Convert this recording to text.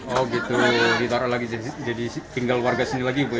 oh gitu ditaruh lagi jadi tinggal warga sini lagi bu ya